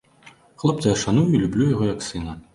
Хлопца я шаную і люблю яго, як сына.